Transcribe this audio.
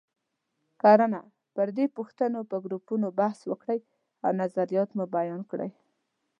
کړنه: پر دې پوښتنو په ګروپونو کې بحث وکړئ او نظریات مو بیان کړئ.